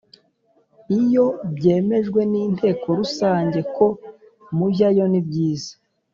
Iyo byemejwe n Inteko Rusange ko mujyayo nibyiza